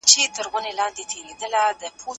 ما یې لمن کي اولسونه غوښتل